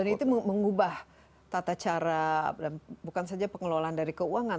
dan itu mengubah tata cara bukan saja pengelolaan dari keuangan